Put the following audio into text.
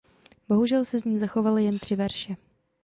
Bohužel se z ní zachovaly jen tři verše.